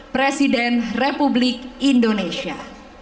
presiden republik indonesia